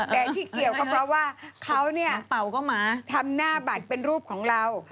แต่ที่เกี่ยวเขาเพราะว่าเขาเนี่ยทำหน้าบัตรเป็นรูปของเรา